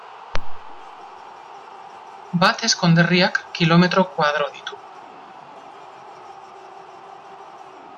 Bates konderriak kilometro koadro ditu.